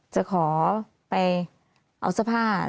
จะขอไปเอาสภาพ